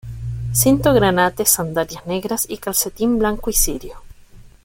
Cinto granate, sandalias negras y calcetín blanco y cirio.